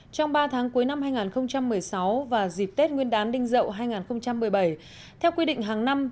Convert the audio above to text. trong ba tháng cuối năm hai nghìn một mươi sáu và dịp tết nguyên đán đinh dậu hai nghìn một mươi bảy theo quy định hàng năm